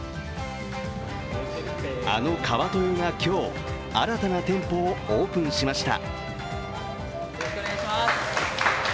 あの川豊が今日、新たな店舗をオープンしました。